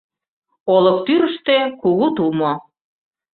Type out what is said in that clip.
Олык тӱрыштӧ — кугу тумо.